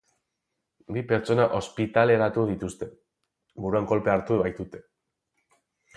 Bi pertsona ospitaleratu dituzte, buruan kolpea hartu baitute.